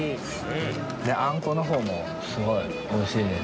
あんこもすごいおいしいです。